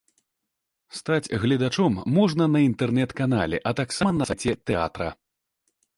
Стаць гледачом можна на інтэрнэт-канале, а таксама на сайце тэатра.